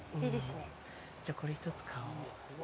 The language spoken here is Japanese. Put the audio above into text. じゃあ、これ１つ買おう。